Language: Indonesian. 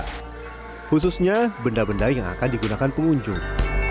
khususnya benda benda yang akan digunakan pengunjung